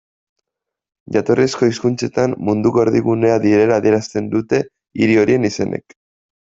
Jatorrizko hizkuntzetan, munduko erdigunea direla adierazten dute hiri horien izenek.